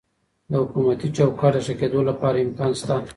د حکومتي چوکاټ د ښه کیدو لپاره امکان سته.